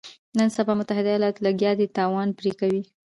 نن سبا متحده ایالتونه لګیا دي تاوان پرې کوي.